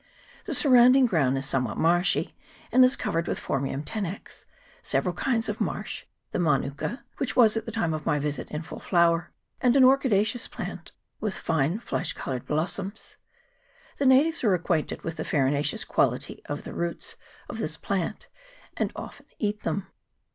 The surrounding ground is some what marshy, and is covered with Phormium tenax, several kinds of rushes, the manuka (which was, at the time of my visit, in full flower), and an orchi daceous plant with fine flesh coloured blossoms. The natives are acquainted with the farinaceous quality of the roots of this plant, and often eat them.